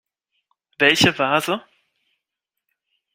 Welche Vase?